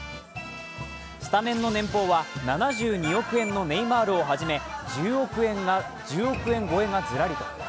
スタメンの年俸は７２億円のネイマールをはじめ１０億円超えがずらり。